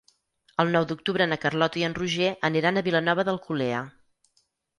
El nou d'octubre na Carlota i en Roger aniran a Vilanova d'Alcolea.